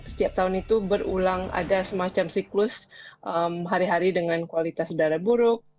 setiap tahun itu berulang ada semacam siklus hari hari dengan kualitas udara buruk